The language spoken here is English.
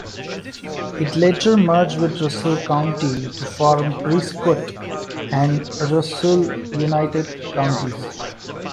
It later merged with Russell County to form Prescott and Russell United Counties.